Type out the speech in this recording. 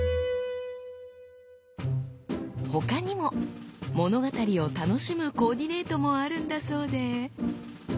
他にも物語を楽しむコーディネートもあるんだそうで。